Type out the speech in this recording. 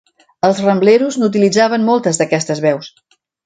Els Rambleros n'utilitzaven moltes d'aquestes veus.